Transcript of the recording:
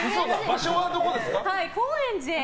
高円寺で。